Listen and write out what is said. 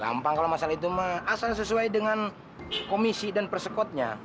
gampang kalau masalah itu asal sesuai dengan komisi dan persekotnya